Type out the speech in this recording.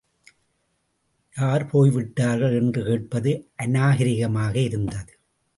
யார் போய்விட்டார்கள் என்று கேட்பது அநாகரிகமாக இருந்தது.